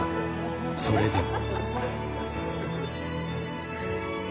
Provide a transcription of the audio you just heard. それでも。